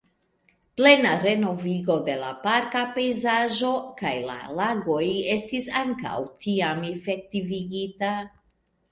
Plena renovigo de la parka pejzaĝo kaj la lagoj estis ankaŭ tiam efektivigita.